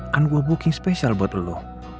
kan gue booking spesial buat lo